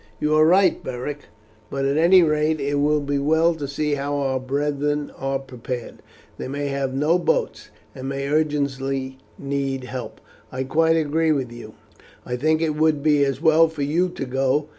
"You are right, Beric; but at any rate it will be well to see how our brethren are prepared. They may have no boats, and may urgently need help." "I quite agree with you, and I think it would be as well for you to go.